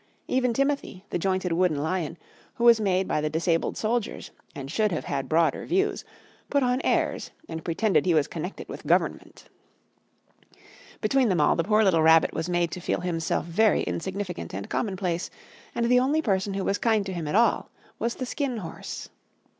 Even Timothy, the jointed wooden lion, who was made by the disabled soldiers, and should have had broader views, put on airs and pretended he was connected with Government. Between them all the poor little Rabbit was made to feel himself very insignificant and commonplace, and the only person who was kind to him at all was the Skin Horse.